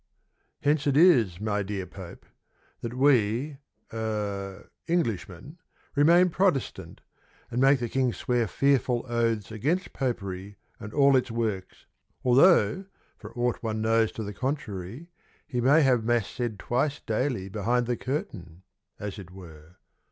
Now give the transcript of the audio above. Hence it is, my dear Pope, That we er Englishmen remain Protestant And make the King swear fearful oaths Against popery and all its works, Although, for aught one knows to the contrary, He may have Mass said twice daily Behind the curtain, as it were.